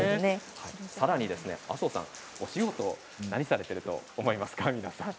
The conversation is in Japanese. さらに麻生さん、お仕事何されていると思いますか？